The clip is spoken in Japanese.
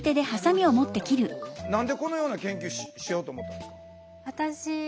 何でこのような研究しようと思ったんですか？